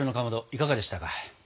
いかがでしたか？